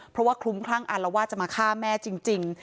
เพราะว่าคลุ้มคลั่งอารวาสจะมาฆ่าแม่จริง